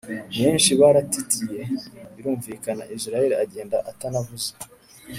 benshi baratitiye birumvikana, israel agenda atanavuze